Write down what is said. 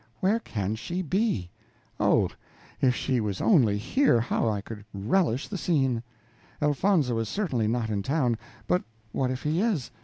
"Where can she be? Oh! if she was only here, how I could relish the scene! Elfonzo is certainly not in town; but what if he is?